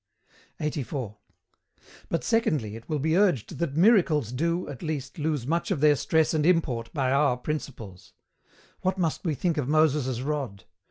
84. But, secondly it will be urged that miracles do, at least, lose much of their stress and import by our principles. What must we think of Moses' rod?